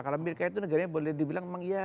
amirika itu negaranya boleh dibilang memang iya